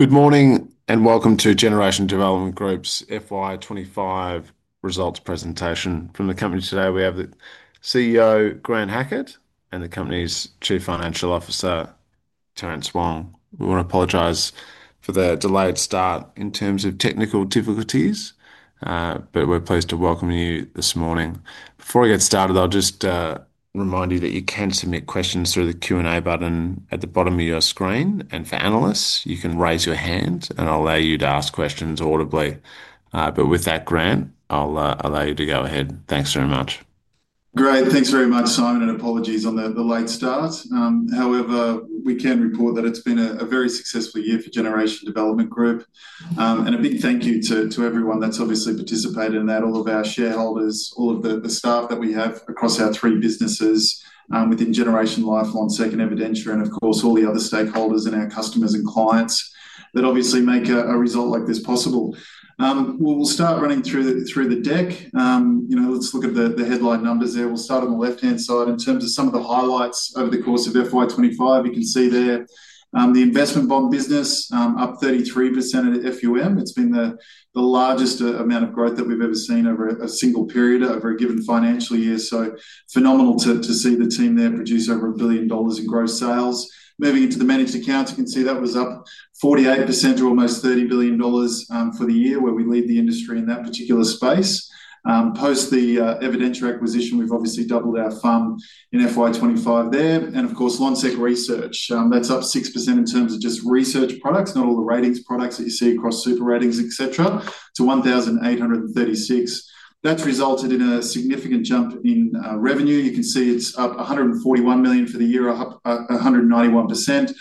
Good morning and welcome to Generation Development Group's FY 2025 results presentation. From the company today, we have the CEO, Grant Hackett, and the company's Chief Financial Officer, Terence Wong. We want to apologize for the delayed start in terms of technical difficulties, but we're pleased to welcome you this morning. Before we get started, I'll just remind you that you can submit questions through the Q&A button at the bottom of your screen. For analysts, you can raise your hand and I'll allow you to ask questions audibly. With that, Grant, I'll allow you to go ahead. Thanks very much. Great, thanks very much, Simon, and apologies on the late start. However, we can report that it's been a very successful year for Generation Development Group, and a big thank you to everyone that's obviously participated in that, all of our shareholders, all of the staff that we have across our three businesses within Generation Life, Lonsec, Evidentia, and of course all the other stakeholders and our customers and clients that obviously make a result like this possible. We'll start running through the deck. You know, let's look at the headline numbers there. We'll start on the left-hand side. In terms of some of the highlights over the course of FY 2025, you can see there, the investment bond business, up 33% at FUM. It's been the largest amount of growth that we've ever seen over a single period over a given financial year. Phenomenal to see the team there produce over $1 billion in gross sales. Moving into the managed accounts, you can see that was up 48% to almost $30 billion for the year, where we lead the industry in that particular space. Post the Evidentia acquisition, we've obviously doubled our FOM in FY 2025 there. Of course, Lonsec Research, that's up 6% in terms of just research products, not all the ratings products that you see across super ratings, et cetera, to 1,836. That's resulted in a significant jump in revenue. You can see it's up $141 million for the year, up 191%.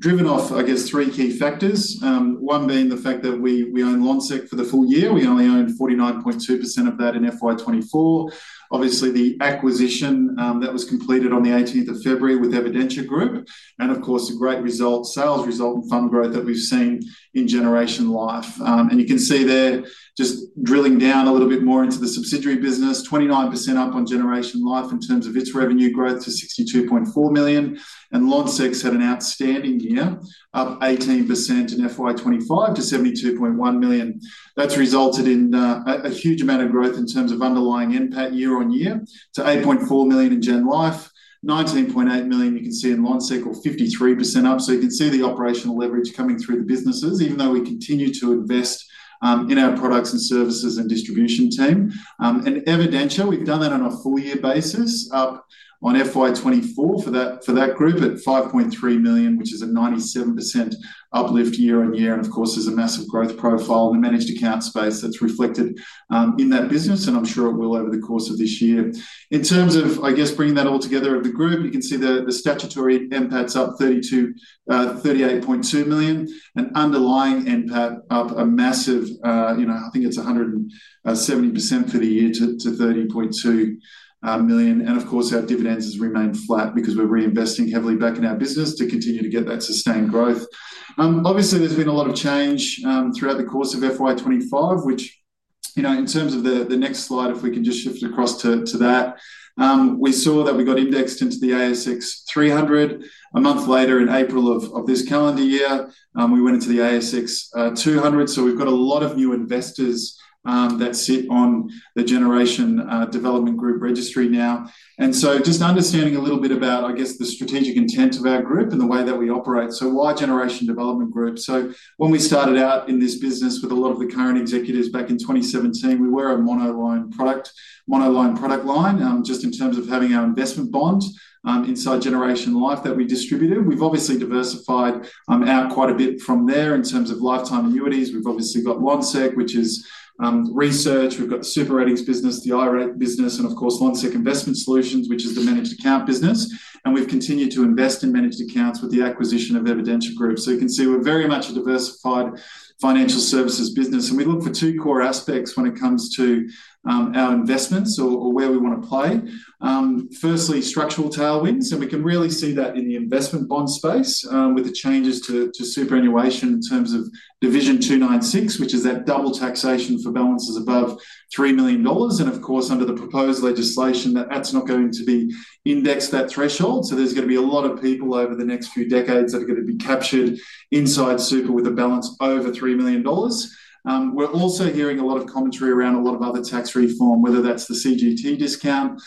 Driven off, I guess, three key factors. One being the fact that we own Lonsec for the full year. We only owned 49.2% of that in FY 2024. Obviously, the acquisition that was completed on the 18th of February with Evidentia Group. Of course, the great result, sales result and FOM growth that we've seen in Generation Life. You can see there, just drilling down a little bit more into the subsidiary business, 29% up on Generation Life in terms of its revenue growth to $62.4 million. Lonsec's had an outstanding year, up 18% in FY 2025 to $72.1 million. That's resulted in a huge amount of growth in terms of underlying NPAT year on year, to $8.4 million in GenLife, $19.8 million, you can see in Lonsec, or 53% up. You can see the operational leverage coming through the businesses, even though we continue to invest in our products and services and distribution team. Evidentia, we've done that on a full-year basis, up on FY 2024 for that group at $5.3 million, which is a 97% uplift year-on-year. There is a massive growth profile in the managed account space that's reflected in that business, and I'm sure it will over the course of this year. In terms of bringing that all together of the group, you can see the statutory NPAT's up $38.2 million, and underlying NPAT up a massive, you know, I think it's 170% for the year to $30.2 million. Our dividends have remained flat because we're reinvesting heavily back in our business to continue to get that sustained growth. Obviously, there's been a lot of change throughout the course of FY 2025, which, in terms of the next slide, if we can just shift across to that, we saw that we got indexed into the ASX 300. A month later, in April of this calendar year, we went into the ASX 200. We've got a lot of new investors that sit on the Generation Development Group registry now. Just understanding a little bit about the strategic intent of our group and the way that we operate. Why Generation Development Group? When we started out in this business with a lot of the current executives back in 2017, we were a mono-line product line, just in terms of having our investment bonds inside Generation Life that we distributed. We've obviously diversified out quite a bit from there in terms of lifetime annuities. We've got Lonsec, which is research. We've got the super ratings business, the IRA business, and Lonsec Investment Solutions, which is the managed account business. We've continued to invest in managed accounts with the acquisition of Evidentia Group. You can see we're very much a diversified financial services business. We look for two core aspects when it comes to our investments or where we want to play. Firstly, structural tailwinds. We can really see that in the investment bond space with the changes to superannuation in terms of Division 296, which is that double taxation for balances above $3 million. Under the proposed legislation, that's not going to be indexed, that threshold. There's going to be a lot of people over the next few decades that are going to be captured inside super with a balance over $3 million. We're also hearing a lot of commentary around a lot of other tax reform, whether that's the CGT discount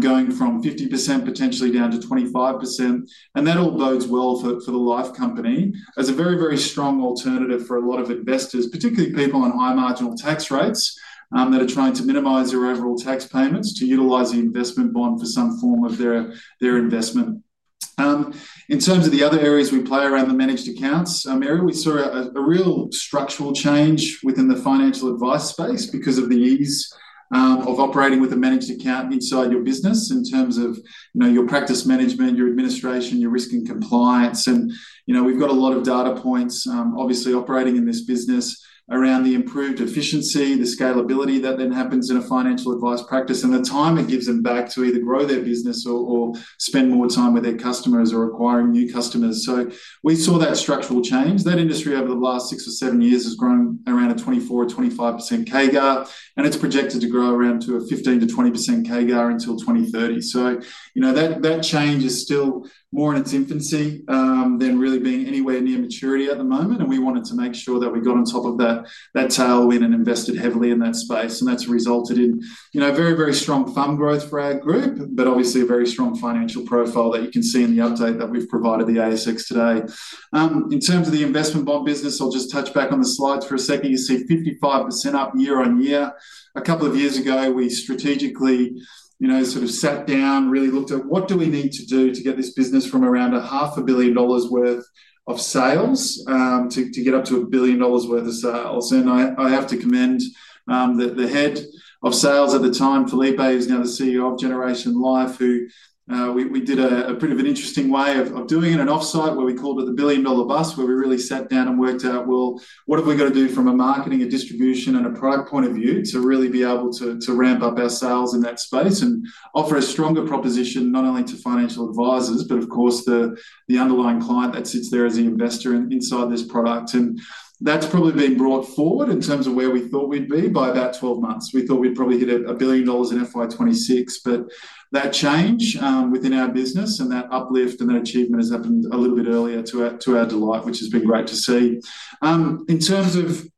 going from 50% potentially down to 25%. That all bodes well for the Life Company as a very, very strong alternative for a lot of investors, particularly people on high marginal tax rates that are trying to minimize their overall tax payments to utilize the investment bond for some form of their investment. In terms of the other areas we play around the managed accounts area, we saw a real structural change within the financial advice space because of the ease of operating with a managed account inside your business in terms of your practice management, your administration, your risk and compliance. We've got a lot of data points, obviously operating in this business around the improved efficiency, the scalability that then happens in a financial advice practice and the time it gives them back to either grow their business or spend more time with their customers or acquiring new customers. We saw that structural change. That industry over the last six or seven years has grown around a 24%-25% CAGR, and it's projected to grow around to a 15%-20% CAGR until 2030. That change is still more in its infancy than really being anywhere near maturity at the moment. We wanted to make sure that we got on top of that tailwind and invested heavily in that space. That's resulted in very, very strong FOM growth for our group, but obviously a very strong financial profile that you can see in the update that we've provided the ASX today. In terms of the investment bond business, I'll just touch back on the slides for a second. You see 55% up year-on-year. A couple of years ago, we strategically sat down, really looked at what do we need to do to get this business from around a half a billion dollars worth of sales to get up to a billion dollars worth of sales. I have to commend the Head of Sales at the time, Felipe, who's now the CEO of Generation Life, who, we did a pretty interesting way of doing it, an offsite where we called it the billion dollar bus, where we really sat down and worked out, well, what have we got to do from a marketing, a distribution, and a product point of view to really be able to ramp up our sales in that space and offer a stronger proposition not only to financial advisors, but of course the underlying client that sits there as the investor inside this product. That's probably been brought forward in terms of where we thought we'd be by about 12 months. We thought we'd probably hit $1 billion in FY 2026, but that change within our business and that uplift and that achievement has happened a little bit earlier to our delight, which has been great to see. In terms of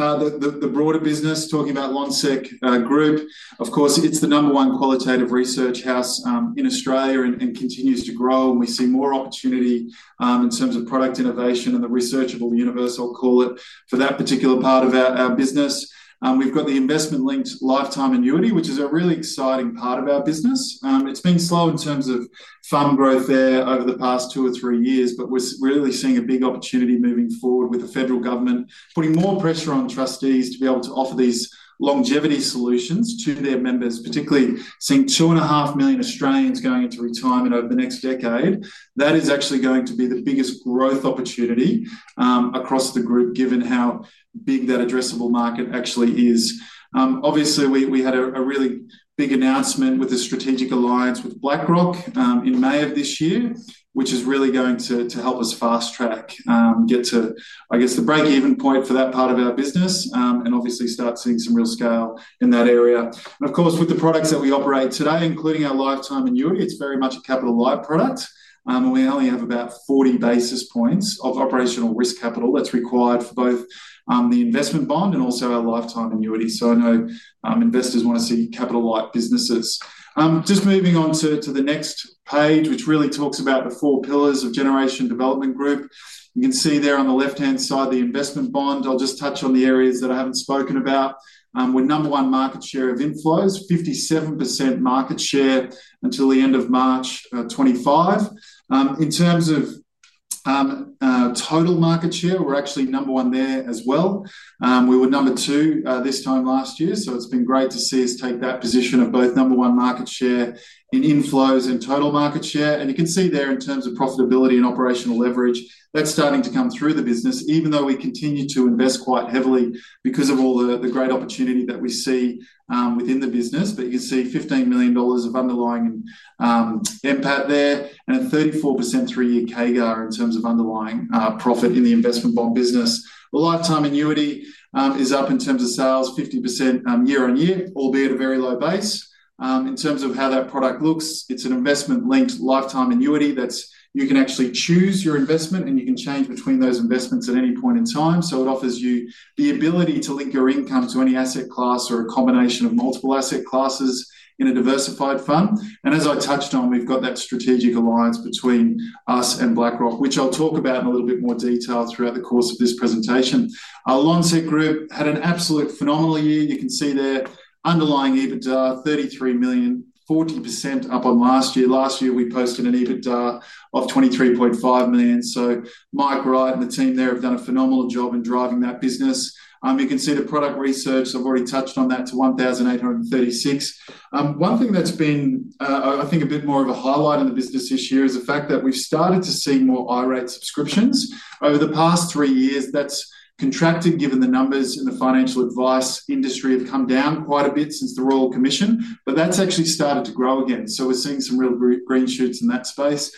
the broader business, talking about Lonsec Group, of course, it's the number one qualitative research house in Australia and continues to grow. We see more opportunity in terms of product innovation and the researchable universe, I'll call it, for that particular part of our business. We've got the investment-linked lifetime annuity, which is a really exciting part of our business. It's been slow in terms of FOM growth there over the past two or three years, but we're really seeing a big opportunity moving forward with the federal government putting more pressure on trustees to be able to offer these longevity solutions to their members, particularly seeing 2.5 million Australians going into retirement over the next decade. That is actually going to be the biggest growth opportunity across the group, given how big that addressable market actually is. Obviously, we had a really big announcement with a strategic alliance with BlackRock in May of this year, which is really going to help us fast track, get to, I guess, the break-even point for that part of our business and obviously start seeing some real scale in that area. With the products that we operate today, including our lifetime annuity, it's very much a Capital Light product. We only have about 40 basis points of operational risk capital that's required for both the investment bond and also our lifetime annuity. I know investors want to see Capital Light businesses. Just moving on to the next page, which really talks about the four pillars of Generation Development Group. You can see there on the left-hand side, the investment bond. I'll just touch on the areas that I haven't spoken about. We're number one market share of inflows, 57% market share until the end of March 2025. In terms of total market share, we're actually number one there as well. We were number two this time last year. It's been great to see us take that position of both number one market share in inflows and total market share. You can see there in terms of profitability and operational leverage, that's starting to come through the business, even though we continue to invest quite heavily because of all the great opportunity that we see within the business. You can see $15 million of underlying NPAT there and a 34% three-year CAGR in terms of underlying profit in the investment bond business. The lifetime annuity is up in terms of sales, 50% year-on-year, albeit a very low base. In terms of how that product looks, it's an investment-linked lifetime annuity that you can actually choose your investment and you can change between those investments at any point in time. It offers you the ability to link your income to any asset class or a combination of multiple asset classes in a diversified fund. As I touched on, we've got that strategic alliance between us and BlackRock, which I'll talk about in a little bit more detail throughout the course of this presentation. Our Lonsec Group had an absolutely phenomenal year. You can see their underlying EBITDA $33 million, 40% up on last year. Last year, we posted an EBITDA of $23.5 million. Mike Wright and the team there have done a phenomenal job in driving that business. You can see the product research. I've already touched on that to 1,836. One thing that's been, I think, a bit more of a highlight in the business this year is the fact that we've started to see more irate subscriptions over the past three years. That's contracted given the numbers in the financial advice industry have come down quite a bit since the Royal Commission, but that's actually started to grow again. We're seeing some real green shoots in that space. In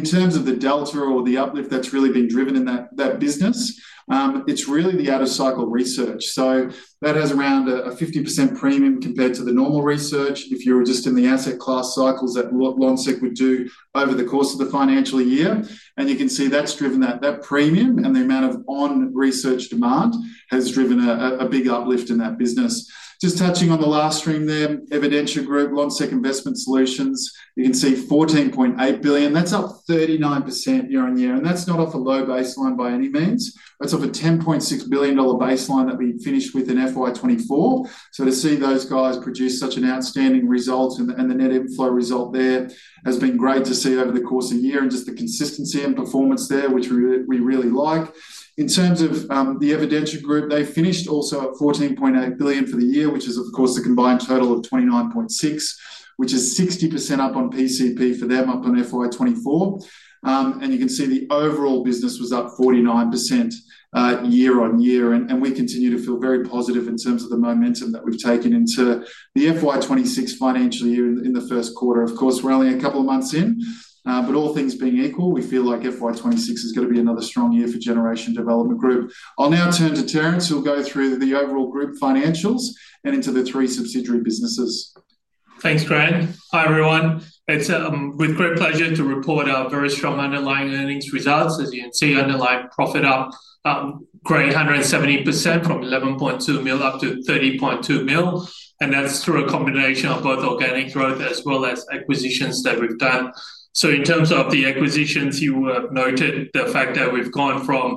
terms of the delta or the uplift that's really been driven in that business, it's really the out-of-cycle research. That has around a 50% premium compared to the normal research if you were just in the asset class cycles that Lonsec would do over the course of the financial year. You can see that's driven that premium and the amount of on-research demand has driven a big uplift in that business. Touching on the last stream there, Evidentia Group, Lonsec Investment Solutions, you can see $14.8 billion. That's up 39% year-on-year. That's not off a low baseline by any means. That's off a $10.6 billion baseline that we finished with in FY 2024. To see those guys produce such an outstanding result and the net inflow result there has been great to see over the course of the year and just the consistency and performance there, which we really like. In terms of the Evidentia Group, they finished also at $14.8 billion for the year, which is of course a combined total of $29.6 billion, which is 60% up on PCP for them up on FY 2024. You can see the overall business was up 49% year-on-year. We continue to feel very positive in terms of the momentum that we've taken into the FY 2026 financial year in the first quarter. Of course, we're only a couple of months in, but all things being equal, we feel like FY 2026 is going to be another strong year for Generation Development Group. I'll now turn to Terence, who'll go through the overall group financials and into the three subsidiary businesses. Thanks, Grant. Hi everyone. It's with great pleasure to report our very strong underlying earnings results. As you can see, underlying profit up a great 170% from $11.2 million up to $13.2 million. That's through a combination of both organic growth as well as acquisitions that we've done. In terms of the acquisitions, you have noted the fact that we've gone from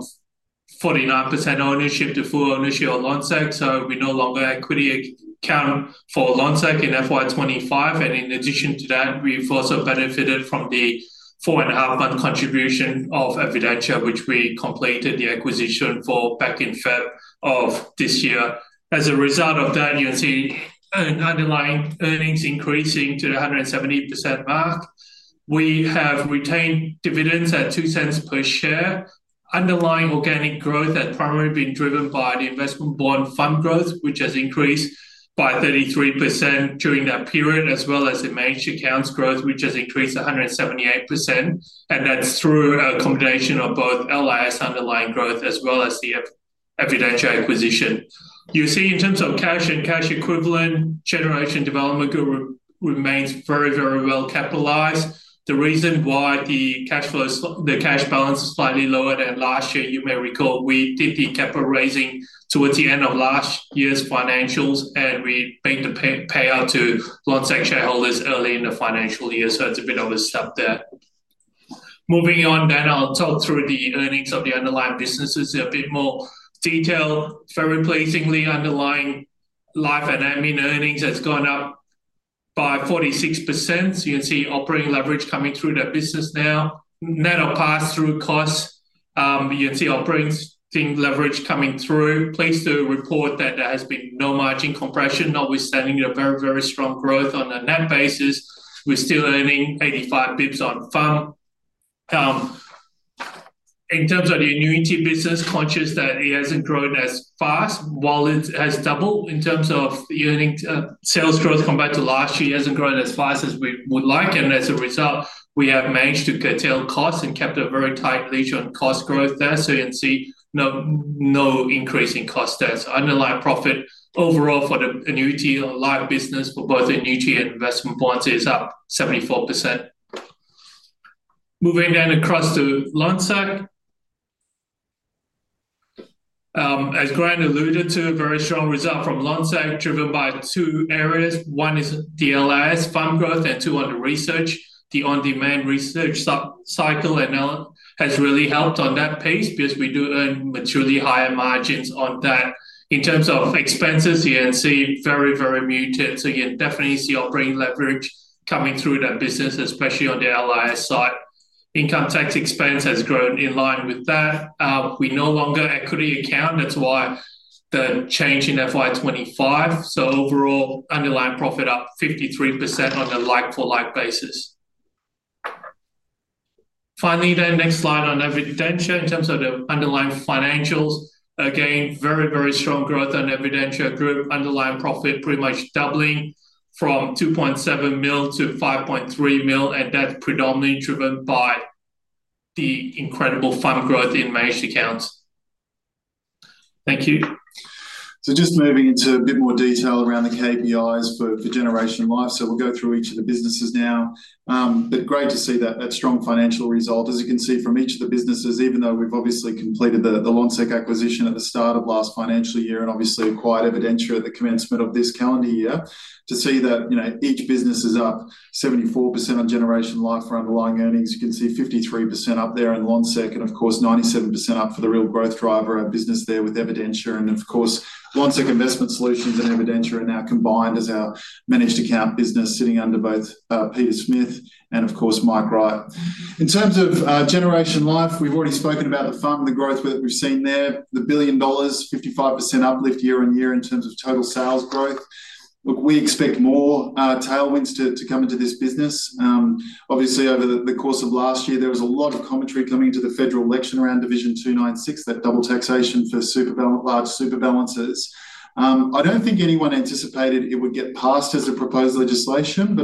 49% ownership to full ownership of Lonsec. We no longer equity account for Lonsec in FY 2025. In addition to that, we've also benefited from the four and a half month contribution of Evidentia, which we completed the acquisition for back in February of this year. As a result of that, you'll see underlying earnings increasing to the 170% mark. We have retained dividends at $0.02 per share. Underlying organic growth has primarily been driven by the investment bond fund growth, which has increased by 33% during that period, as well as the managed accounts growth, which has increased to 178%. That's through a combination of both Lonsec underlying growth as well as the Evidentia acquisition. In terms of cash and cash equivalents, Generation Development Group remains very, very well capitalized. The reason why the cash flow is, the cash balance is slightly lower than last year, you may recall we did the capital raising towards the end of last year's financials, and we had to pay out to Lonsec shareholders early in the financial year. It's a bit of a step there. Moving on, I'll talk through the earnings of the underlying businesses in a bit more detail. Very pleasingly, underlying life and admin earnings has gone up by 46%. You can see operating leverage coming through that business now. Net of pass-through costs, you can see operating leverage coming through. Please do report that there has been no margin compression, notwithstanding the very, very strong growth on a net basis. We're still earning 85 bps on FOM. In terms of the annuity business, conscious that it hasn't grown as fast while it has doubled in terms of earning sales growth compared to last year, it hasn't grown as fast as we would like. As a result, we have managed to curtail costs and kept a very tight leash on cost growth there. You can see no increase in cost there. Underlying profit overall for the annuity on the line of business for both annuity and investment bonds is up 74%. Moving then across to Lonsec. As Grant alluded to, a very strong result from Lonsec driven by the two areas. One is the LIS FOM growth and two on the research. The on-demand research cycle and all has really helped on that pace because we do earn materially higher margins on that. In terms of expenses, you can see very, very muted. You can definitely see operating leverage coming through that business, especially on the LIS side. Income tax expense has grown in line with that. We no longer equity account. That's why the change in FY 2025. Overall, underlying profit up 53% on a like-for-like basis. Finally, the next slide on Evidentia in terms of the underlying financials. Again, very, very strong growth on Evidentia Group. Underlying profit pretty much doubling from $2.7 million-$5.3 million, and that's predominantly driven by the incredible FOM growth in managed accounts. Thank you. Just moving into a bit more detail around the KPIs for Generation Life. We'll go through each of the businesses now. Great to see that strong financial result. As you can see from each of the businesses, even though we've obviously completed the Lonsec acquisition at the start of last financial year and acquired Evidentia at the commencement of this calendar year, to see that each business is up 74% on Generation Life for underlying earnings. You can see 53% up there in Lonsec and 97% up for the real growth driver of our business with Evidentia. Lonsec Investment Solutions and Evidentia are now combined as our managed account business sitting under both Peter Smith and Mike Wright. In terms of Generation Life, we've already spoken about the FOM and the growth that we've seen there, the $1 billion, 55% uplift year on year in terms of total sales growth. We expect more tailwinds to come into this business. Over the course of last year, there was a lot of commentary coming to the federal election around Division 296, that double taxation for large super balances. I don't think anyone anticipated it would get passed as a proposed legislation, but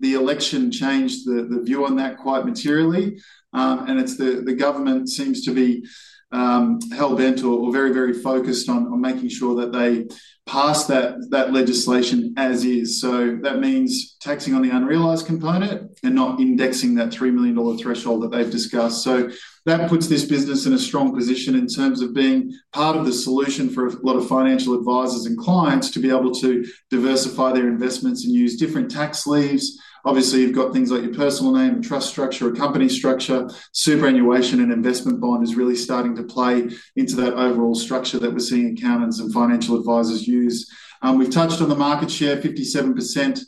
the election changed the view on that quite materially. The government seems to be hellbent or very, very focused on making sure that they pass that legislation as is. That means taxing on the unrealized component and not indexing that $3 million threshold that they've discussed. That puts this business in a strong position in terms of being part of the solution for a lot of financial advisors and clients to be able to diversify their investments and use different tax leaves. You've got things like your personal name, trust structure, or company structure. Superannuation and investment bond is really starting to play into that overall structure that we're seeing accountants and financial advisors use. We've touched on the market share, 57%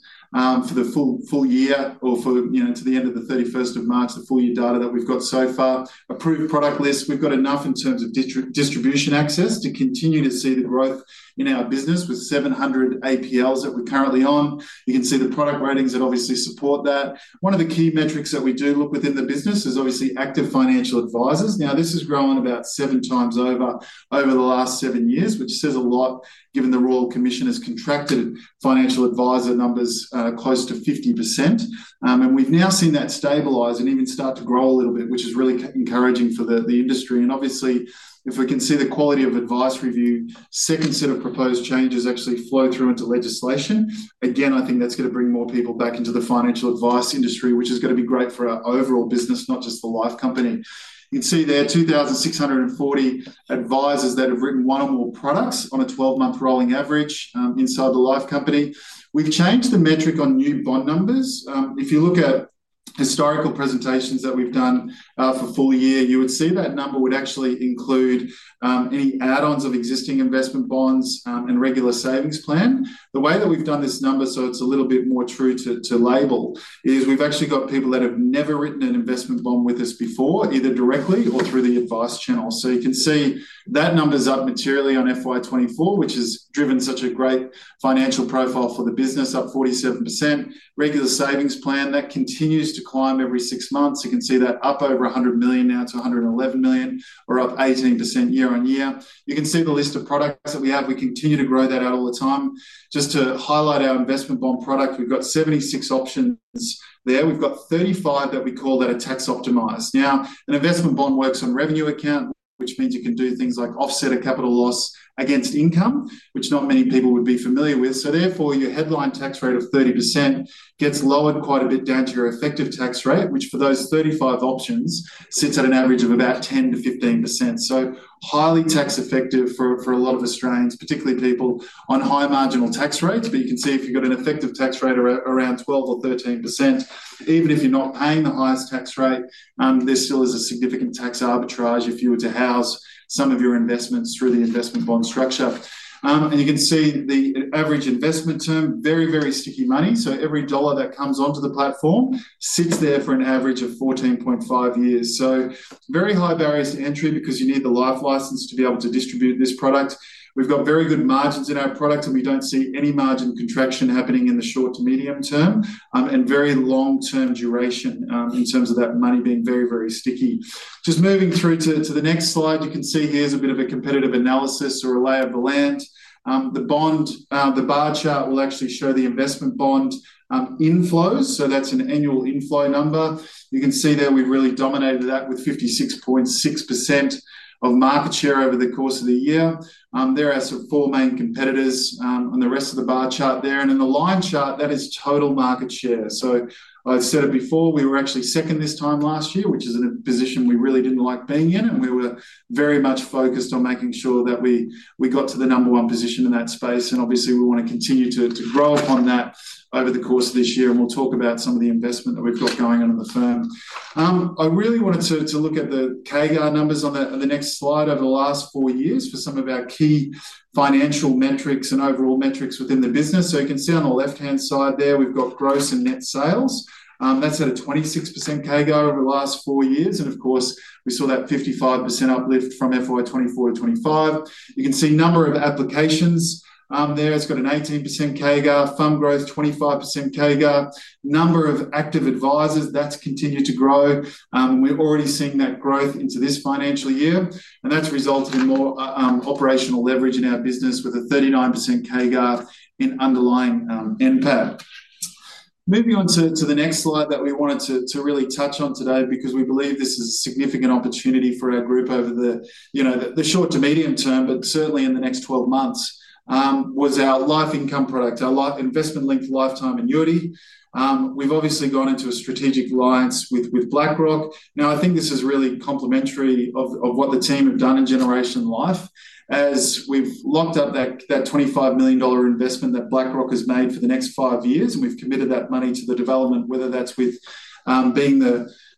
for the full year or to the end of the 31st of March, the full year data that we've got so far. Approved product list, we've got enough in terms of distribution access to continue to see the growth in our business with 700 APLs that we're currently on. You can see the product ratings that support that. One of the key metrics that we do look within the business is active financial advisors. Now this has grown about seven times over the last seven years, which says a lot given the Royal Commission has contracted financial advisor numbers close to 50%. We've now seen that stabilize and even start to grow a little bit, which is really encouraging for the industry. Obviously, if we can see the Quality of Advice Review, the second set of proposed changes actually flow through into legislation, I think that's going to bring more people back into the financial advice industry, which is going to be great for our overall business, not just the Life Company. You'd see there are 2,640 advisors that have written one or more products on a 12-month rolling average inside the Life Company. We've changed the metric on new bond numbers. If you look at historical presentations that we've done for full year, you would see that number would actually include any add-ons of existing investment bonds and regular savings plan. The way that we've done this number so it's a little bit more true to label is we've actually got people that have never written an investment bond with us before, either directly or through the advice channel. You can see that number is up materially on FY 2024, which has driven such a great financial profile for the business, up 47%. Regular savings plan, that continues to climb every six months. You can see that up over $100 million now to $111 million, or up 18% year-on-year. You can see the list of products that we have. We continue to grow that out all the time. Just to highlight our investment bond product, we've got 76 options there. We've got 35 that we call that are tax optimized. Now, an investment bond works on revenue account, which means you can do things like offset a capital loss against income, which not many people would be familiar with. Therefore, your headline tax rate of 30% gets lowered quite a bit down to your effective tax rate, which for those 35 options sits at an average of about 10%-15%. Highly tax effective for a lot of Australians, particularly people on high marginal tax rates. You can see if you've got an effective tax rate around 12% or 13%, even if you're not paying the highest tax rate, there still is a significant tax arbitrage if you were to house some of your investments through the investment bond structure. You can see the average investment term, very, very sticky money. Every dollar that comes onto the platform sits there for an average of 14.5 years. Very high barriers to entry because you need the life license to be able to distribute this product. We've got very good margins in our product, and we don't see any margin contraction happening in the short to medium term and very long-term duration in terms of that money being very, very sticky. Moving through to the next slide, you can see here's a bit of a competitive analysis or a lay of the land. The bar chart will actually show the investment bond inflows. That's an annual inflow number. You can see there we've really dominated that with 56.6% of market share over the course of the year. There are four main competitors on the rest of the bar chart there. On the line chart, that is total market share. I've said it before, we were actually second this time last year, which is a position we really didn't like being in. We were very much focused on making sure that we got to the number one position in that space. Obviously, we want to continue to grow upon that over the course of this year. We'll talk about some of the investment that we've got going on at the firm. I really wanted to look at the CAGR numbers on the next slide over the last four years for some of our key financial metrics and overall metrics within the business. You can see on the left-hand side there, we've got gross and net sales. That's at a 26% CAGR over the last four years. Of course, we saw that 55% uplift from FY 2024-FY 2025. You can see a number of applications there. It's got an 18% CAGR, FOM growth, 25% CAGR, number of active advisors. That's continued to grow. We're already seeing that growth into this financial year. That's resulted in more operational leverage in our business with a 39% CAGR in underlying NPAT. Moving on to the next slide that we wanted to really touch on today because we believe this is a significant opportunity for our group over the short to medium term, but certainly in the next 12 months, was our life income product, our investment linked lifetime annuity. We've obviously gone into a strategic alliance with BlackRock. I think this is really complementary of what the team have done in Generation Life. As we've locked up that $25 million investment that BlackRock has made for the next five years, we've committed that money to the development, whether that's with being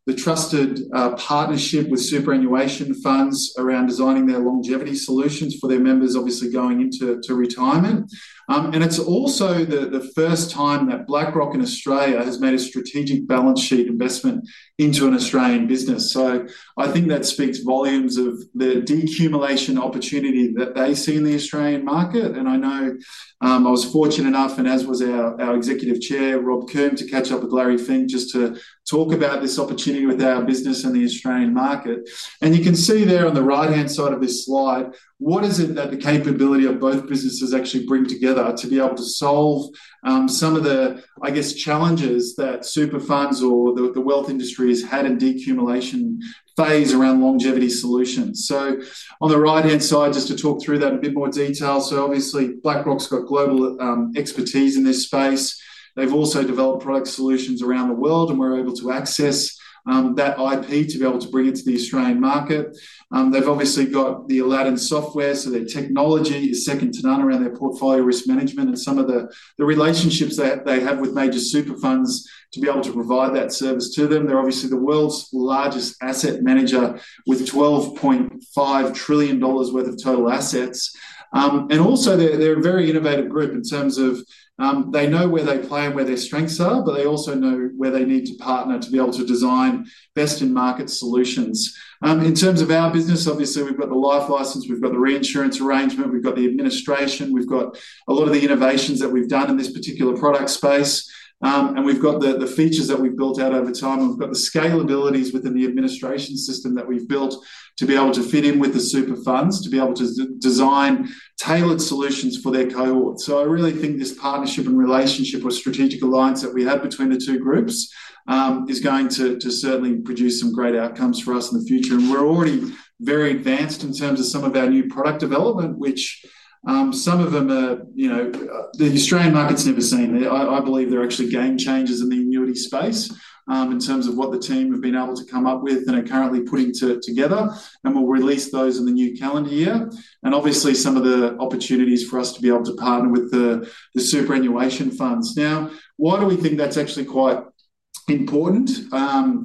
the trusted partnership with superannuation funds around designing their longevity solutions for their members, obviously going into retirement. It's also the first time that BlackRock in Australia has made a strategic balance sheet investment into an Australian business. I think that speaks volumes of the deaccumulation opportunity that they see in the Australian market. I know I was fortunate enough, and as was our Executive Chair, Rob Kern, to catch up with Larry Fink just to talk about this opportunity with our business and the Australian market. You can see there on the right-hand side of this slide, what is it that the capability of both businesses actually bring together to be able to solve some of the, I guess, challenges that super funds or the wealth industries had in deaccumulation phase around longevity solutions. On the right-hand side, just to talk through that in a bit more detail. Obviously, BlackRock's got global expertise in this space. They've also developed product solutions around the world, and we're able to access that IP to be able to bring it to the Australian market. They've obviously got the Aladdin software, so their technology is second to none around their portfolio risk management and some of the relationships that they have with major super funds to be able to provide that service to them. They're obviously the world's largest asset manager with $12.5 trillion worth of total assets. They're a very innovative group in terms of they know where they play and where their strengths are, but they also know where they need to partner to be able to design best-in-market solutions. In terms of our business, obviously, we've got the life license, we've got the reinsurance arrangement, we've got the administration, we've got a lot of the innovations that we've done in this particular product space. We've got the features that we've built out over time, and we've got the scalabilities within the administration system that we've built to be able to fit in with the super funds to be able to design tailored solutions for their cohort. I really think this partnership and relationship or strategic alliance that we have between the two groups is going to certainly produce some great outcomes for us in the future. We're already very advanced in terms of some of our new product development, which some of them are, you know, the Australian market's never seen. I believe they're actually game changers in the annuity space in terms of what the team have been able to come up with and are currently putting together. We'll release those in the new calendar year. Obviously, some of the opportunities for us to be able to partner with the superannuation funds. Now, why do we think that's actually quite important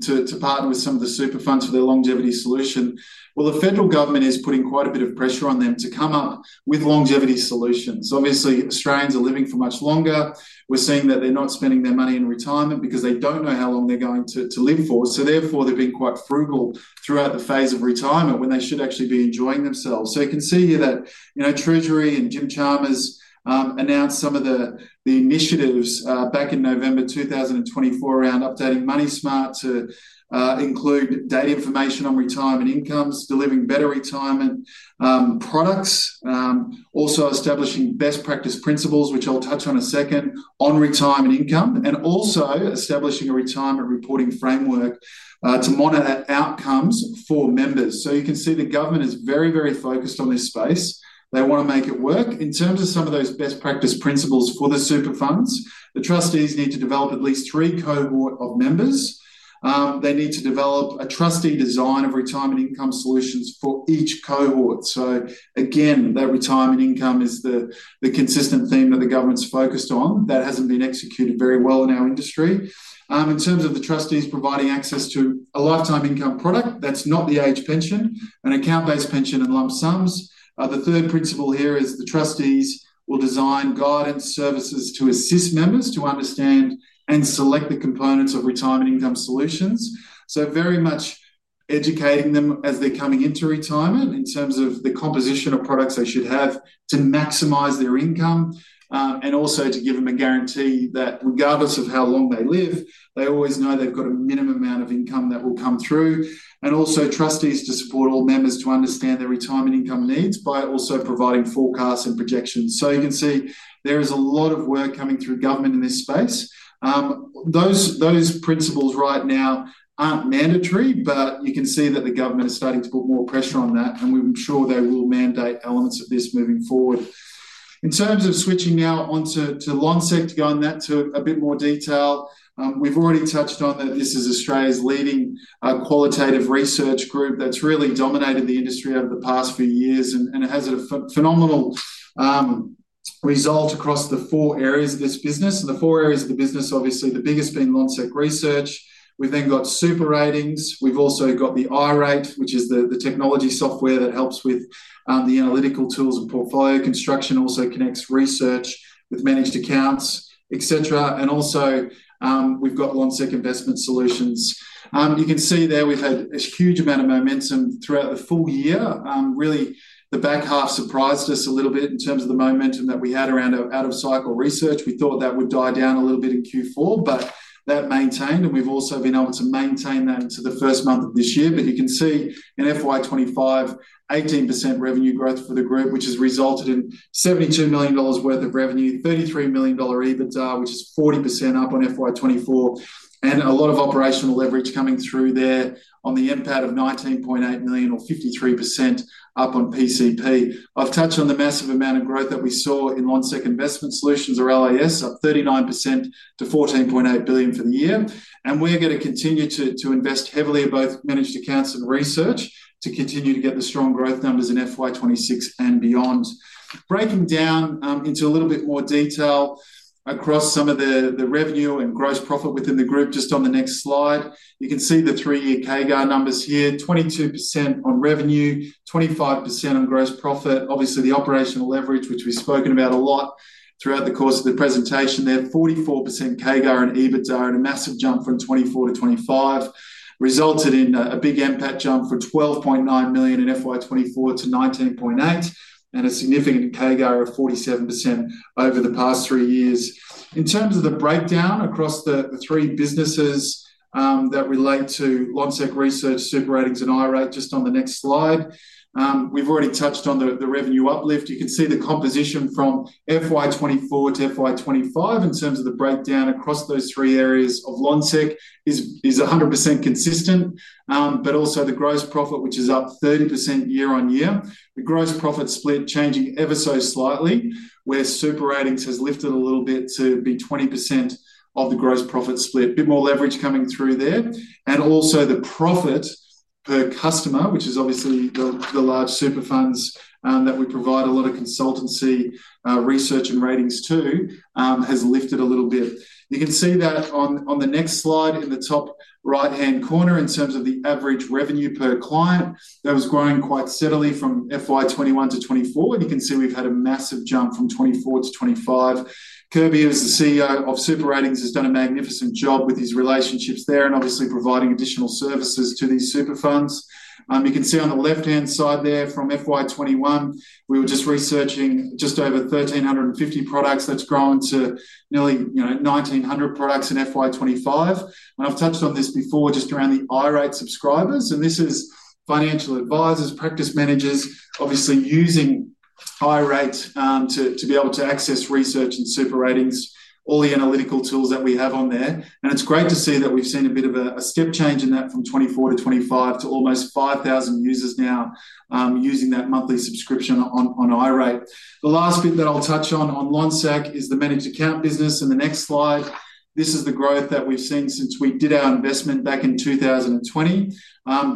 to partner with some of the super funds for their longevity solution? The federal government is putting quite a bit of pressure on them to come up with longevity solutions. Obviously, Australians are living for much longer. We're seeing that they're not spending their money in retirement because they don't know how long they're going to live for. Therefore, they've been quite frugal throughout the phase of retirement when they should actually be enjoying themselves. You can see here that Treasury and Jim Chalmers announced some of the initiatives back in November 2024 around updating MoneySmart to include data information on retirement incomes, delivering better retirement products, also establishing best practice principles, which I'll touch on in a second, on retirement income, and also establishing a retirement reporting framework to monitor outcomes for members. You can see the government is very, very focused on this space. They want to make it work. In terms of some of those best practice principles for the super funds, the trustees need to develop at least three cohorts of members. They need to develop a trustee design of retirement income solutions for each cohort. Again, that retirement income is the consistent theme that the government's focused on. That hasn't been executed very well in our industry. In terms of the trustees providing access to a lifetime income product, that's not the age pension, an account-based pension and lump sums. The third principle here is the trustees will design guidance services to assist members to understand and select the components of retirement income solutions. Very much educating them as they're coming into retirement in terms of the composition of products they should have to maximize their income and also to give them a guarantee that regardless of how long they live, they always know they've got a minimum amount of income that will come through. Trustees are to support all members to understand their retirement income needs by also providing forecasts and projections. There is a lot of work coming through government in this space. Those principles right now aren't mandatory, but you can see that the government is starting to put more pressure on that, and we're sure they will mandate elements of this moving forward. In terms of switching now onto Lonsec to go into a bit more detail, we've already touched on that this is Australia's leading qualitative research group that's really dominated the industry over the past few years and has had a phenomenal result across the four areas of this business. The four areas of the business, obviously, the biggest being Lonsec Research. We've then got SuperRatings. We've also got iRate, which is the technology software that helps with the analytical tools and portfolio construction, also connects research with managed accounts, etc. We've also got Lonsec Investment Solutions. You can see there we've had a huge amount of momentum throughout the full year. Really, the back half surprised us a little bit in terms of the momentum that we had around out-of-cycle research. We thought that would die down a little bit in Q4, but that maintained. We've also been able to maintain that into the first month of this year. In FY 2025, 18% revenue growth for the group has resulted in $72 million worth of revenue, $33 million EBITDA, which is 40% up on FY 2024, and a lot of operational leverage coming through there on the NPAT of $19.8 million, or 53% up on PCP. I've touched on the massive amount of growth that we saw in Lonsec Investment Solutions, or LIS, up 39% to $14.8 billion for the year. We're going to continue to invest heavily in both managed accounts and research to continue to get the strong growth numbers in FY 2026 and beyond. Breaking down into a little bit more detail across some of the revenue and gross profit within the group, just on the next slide, you can see the three-year CAGR numbers here, 22% on revenue, 25% on gross profit. The operational leverage, which we've spoken about a lot throughout the course of the presentation, 44% CAGR and EBITDA, and a massive jump from 2024-2025, resulted in a big NPAT jump from $12.9 million in FY 2024 to $19.8 million, and a significant CAGR of 47% over the past three years. In terms of the breakdown across the three businesses that relate to Lonsec Research, Super Ratings, and iRate, just on the next slide, we've already touched on the revenue uplift. You can see the composition from FY 2024-FY 2025 in terms of the breakdown across those three areas of Lonsec is 100% consistent, but also the gross profit, which is up 30% year-on-year. The gross profit split changing ever so slightly, where Super Ratings has lifted a little bit to be 20% of the gross profit split. A bit more leverage coming through there. Also, the profit per customer, which is obviously the large super funds that we provide a lot of consultancy research and ratings to, has lifted a little bit. You can see that on the next slide in the top right-hand corner in terms of the average revenue per client that was growing quite steadily from FY 2021-FY 2024. You can see we've had a massive jump from 2024-2025. Kirby, who's the CEO of Super Ratings, has done a magnificent job with his relationships there and obviously providing additional services to these super funds. You can see on the left-hand side there from FY 2021, we were just researching just over 1,350 products that's grown to nearly 1,900 products in FY 2025. I've touched on this before just around the iRate subscribers. This is financial advisors, practice managers, obviously using iRate to be able to access research and Super Ratings, all the analytical tools that we have on there. It's great to see that we've seen a bit of a step change in that from 2024 to 2025 to almost 5,000 users now using that monthly subscription on iRate. The last bit that I'll touch on on Lonsec is the managed account business. The next slide, this is the growth that we've seen since we did our investment back in 2020.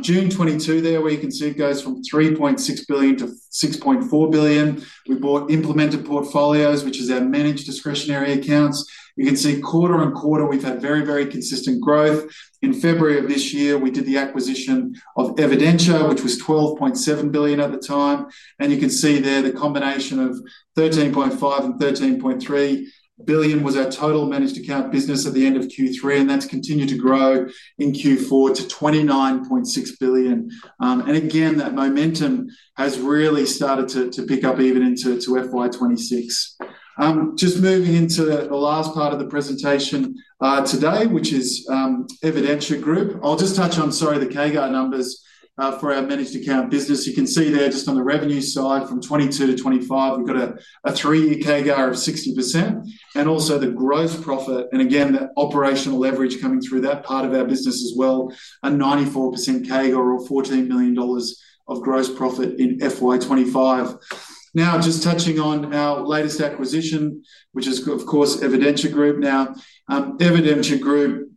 June 2022 there, where you can see it goes from $3.6 billion-$6.4 billion. We bought Implemented Portfolios, which is our managed discretionary accounts. You can see quarter and quarter, we've had very, very consistent growth. In February of this year, we did the acquisition of Evidentia Group, which was $12.7 billion at the time. You can see there the combination of $13.5 and $13.3 billion was our total managed account business at the end of Q3. That's continued to grow in Q4 to $29.6 billion. Again, that momentum has really started to pick up even into FY 2026. Just moving into the last part of the presentation today, which is Evidentia Group. I'll just touch on the CAGR numbers for our managed account business. You can see there just on the revenue side from 2022-2025, we've got a three-year CAGR of 60% and also the gross profit. Again, the operational leverage coming through that part of our business as well, a 94% CAGR or $14 million of gross profit in FY 2025. Now, just touching on our latest acquisition, which is of course Evidentia Group. Evidentia Group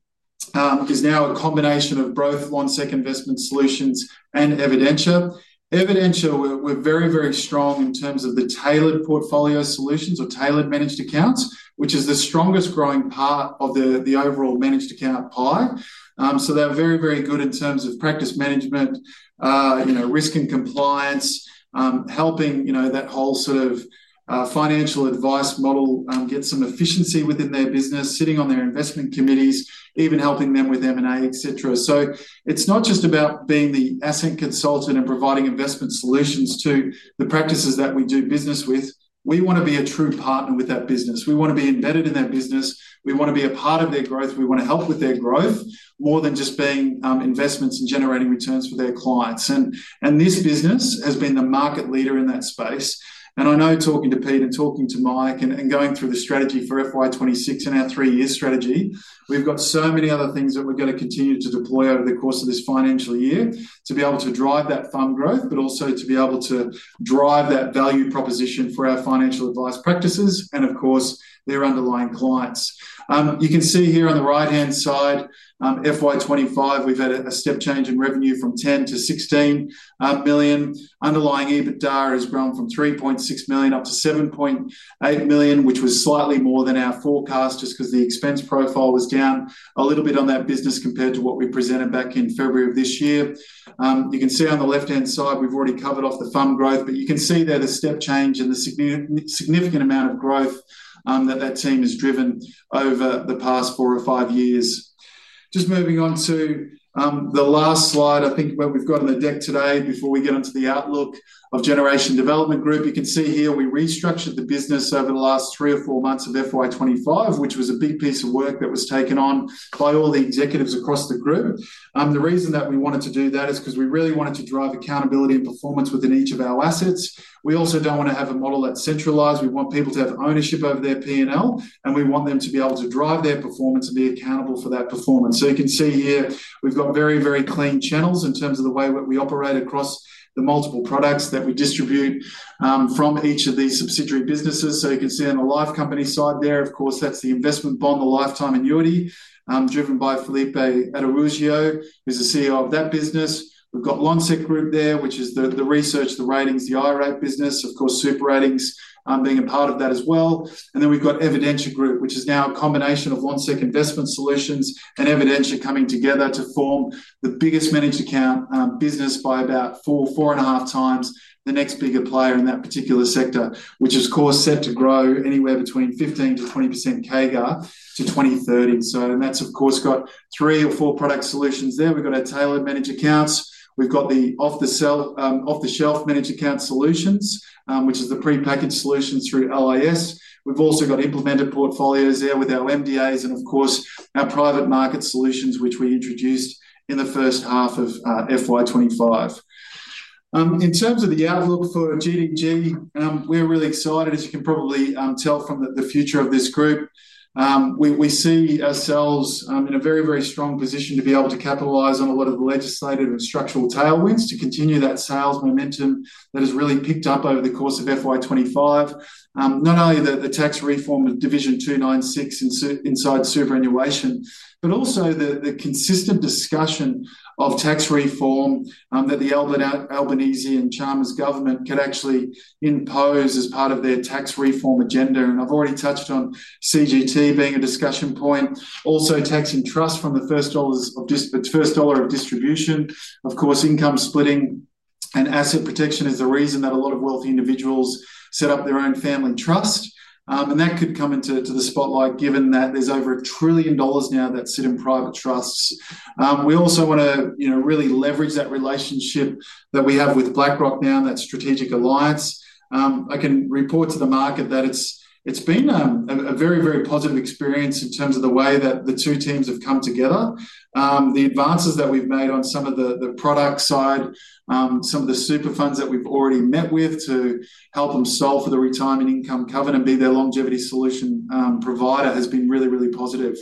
is now a combination of both Lonsec Investment Solutions and Evidentia. Evidentia is very, very strong in terms of the tailored portfolio solutions or tailored managed accounts, which is the strongest growing part of the overall managed account up high. They're very, very good in terms of practice management, risk and compliance, helping that whole sort of financial advice model get some efficiency within their business, sitting on their investment committees, even helping them with M&A, et cetera. It's not just about being the asset consultant and providing investment solutions to the practices that we do business with. We want to be a true partner with that business. We want to be embedded in that business. We want to be a part of their growth. We want to help with their growth more than just being investments and generating returns for their clients. This business has been the market leader in that space. I know talking to Pete and talking to Mike and going through the strategy for FY 2026 and our three-year strategy, we've got so many other things that we're going to continue to deploy over the course of this financial year to be able to drive that FOM growth, but also to be able to drive that value proposition for our financial advice practices and of course their underlying clients. You can see here on the right-hand side, FY 2025, we've had a step change in revenue from $10 million-$16 million. Underlying EBITDA has grown from $3.6 million up to $7.8 million, which was slightly more than our forecast just because the expense profile was down a little bit on that business compared to what we presented back in February of this year. You can see on the left-hand side, we've already covered off the FOM growth, but you can see there's a step change in the significant amount of growth that that team has driven over the past four or five years. Moving on to the last slide, I think what we've got on the deck today before we get onto the outlook of Generation Development Group. You can see here we restructured the business over the last three or four months of FY 2025, which was a big piece of work that was taken on by all the executives across the group. The reason that we wanted to do that is because we really wanted to drive accountability and performance within each of our assets. We also don't want to have a model that's centralized. We want people to have ownership over their P&L, and we want them to be able to drive their performance and be accountable for that performance. You can see here we've got very, very clean channels in terms of the way that we operate across the multiple products that we distribute from each of these subsidiary businesses. You can see on the Life Company side there, of course, that's the investment bond, the lifetime annuity driven by Felipe Aderuzio, who's the CEO of that business. We've got Lonsec Group there, which is the research, the ratings, the iRate business, of course, SuperRatings being a part of that as well. We've got Evidentia Group, which is now a combination of Lonsec Investment Solutions and Evidentia coming together to form the biggest managed account business by about four, four and a half times the next bigger player in that particular sector, which is set to grow anywhere between 15%-20% CAGR to 2030. That's got three or four product solutions there. We've got our tailored managed accounts. We've got the off-the-shelf managed account solutions, which is the prepackaged solutions through LIS. We've also got implemented portfolios there with our MDAs and our private market solutions, which we introduced in the first half of FY 2025. In terms of the outlook for GDG, we're really excited, as you can probably tell from the future of this group. We see ourselves in a very, very strong position to be able to capitalize on a lot of the legislative and structural tailwinds to continue that sales momentum that has really picked up over the course of FY 2025. Not only the tax reform of Division 296 superannuation tax inside superannuation, but also the consistent discussion of tax reform that the Albanese and Chalmers government could actually impose as part of their tax reform agenda. I've already touched on CGT being a discussion point. Also, taxing trusts from the first dollar of distribution. Of course, income splitting and asset protection is the reason that a lot of wealthy individuals set up their own family trust. That could come into the spotlight given that there's over a trillion dollars now that sit in private trusts. We also want to really leverage that relationship that we have with BlackRock now and that strategic alliance. I can report to the market that it's been a very, very positive experience in terms of the way that the two teams have come together. The advances that we've made on some of the product side, some of the super funds that we've already met with to help them solve for the retirement income covenant and be their longevity solution provider has been really, really positive.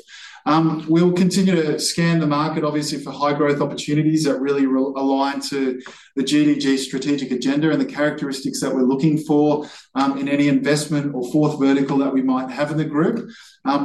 We will continue to scan the market, obviously, for high growth opportunities that really align to the GDG strategic agenda and the characteristics that we're looking for in any investment or fourth vertical that we might have in the group.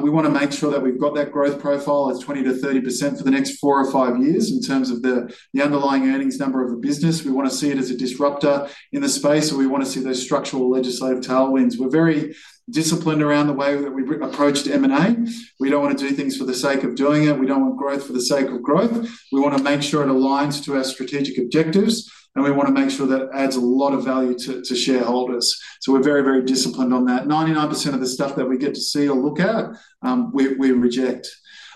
We want to make sure that we've got that growth profile as 20%-30% for the next four or five years in terms of the underlying earnings number of a business. We want to see it as a disruptor in the space, or we want to see those structural legislative tailwinds. We're very disciplined around the way that we approached M&A. We don't want to do things for the sake of doing it. We don't want growth for the sake of growth. We want to make sure it aligns to our strategic objectives, and we want to make sure that it adds a lot of value to shareholders. We're very, very disciplined on that. 99% of the stuff that we get to see or look at, we reject.